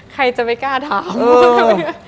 ใครจะไม่กล้าถาม